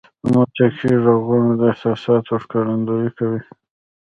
• د موسیقۍ ږغونه د احساساتو ښکارندویي کوي.